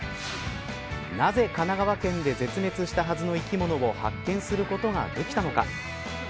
なぜ、神奈川県で絶滅したはずの生き物を発見することができたのか。